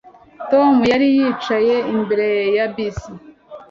Tom yari yicaye imbere ya bisi